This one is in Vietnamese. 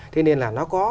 thế nên là nó có